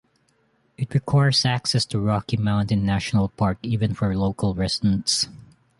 It requires access to Rocky Mountain National Park even for local residents.